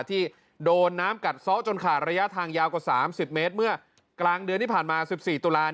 ที่โดนน้ำกัดซ้อจนขาดระยะทางยาวกว่า๓๐เมตรเมื่อกลางเดือนที่ผ่านมา๑๔ตุลาค